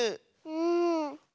うん。